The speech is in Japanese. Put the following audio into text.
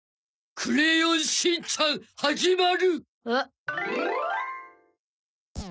『クレヨンしんちゃん』始まる。